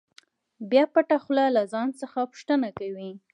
بیا پټه خوله له ځان څخه پوښتنه کوي.